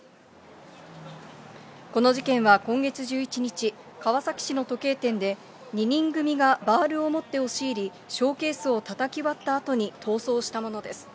この事件は今月１１日、川崎市の時計店で、２人組がバールを持って押し入り、ショーケースをたたき割ったあとに逃走したものです。